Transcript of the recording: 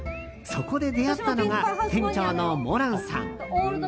そこで出会ったのが店長のモランさん。